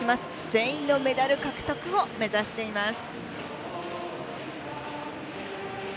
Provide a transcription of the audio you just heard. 全員のメダル獲得を目指しています。